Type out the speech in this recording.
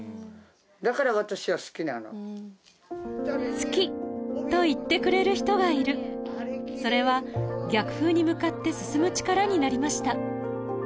好きと言ってくれる人がいるそれは逆風に向かって進む力になりました